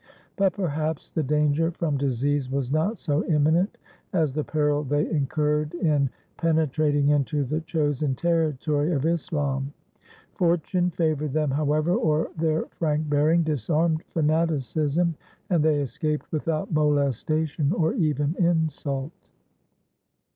But perhaps the danger from disease was not so imminent as the peril they incurred in penetrating into the chosen territory of Islam. Fortune favoured them, however, or their frank bearing disarmed fanaticism, and they escaped without molestation or even insult.